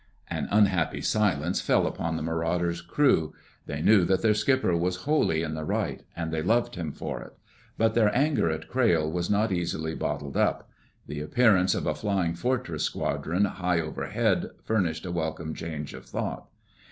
An unhappy silence fell upon the Marauder's crew. They knew that their skipper was wholly in the right and they loved him for it. But their anger at Crayle was not easily bottled up. The appearance of a Flying Fortress squadron high overhead furnished a welcome change of thought.